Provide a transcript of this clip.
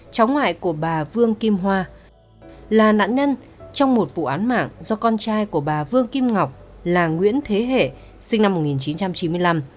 cháu ngoại của bà vương kim hoa là nạn nhân trong một vụ án mạng do con trai của bà vương kim ngọc là nguyễn thế hệ sinh năm một nghìn chín trăm chín mươi năm